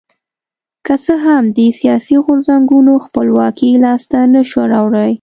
که څه هم دې سیاسي غورځنګونو خپلواکي لاسته نه شوه راوړی.